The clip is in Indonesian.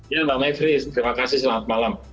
ya mbak maifri terima kasih selamat malam